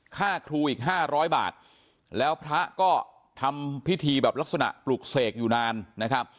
ค่าครูอีกห้าร้อยบาทแล้วพระก็ทำพิธีแบบลักษณะปลุกเสกอยู่นานนะครับ